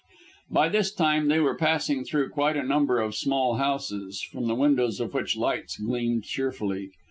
By this time they were passing through quite a number of small houses, from the windows of which lights gleamed cheerfully.